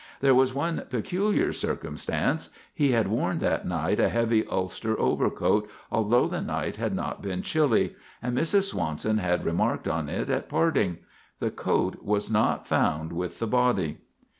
There was one peculiar circumstance. He had worn that night a heavy ulster overcoat, although the night had not been chilly, and Mrs. Swanson had remarked on it at parting. The coat was not found with the body.